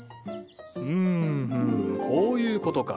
うんこういうことか。